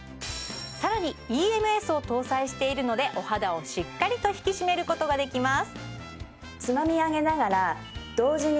更にＥＭＳを搭載しているのでお肌をしっかりと引き締めることができます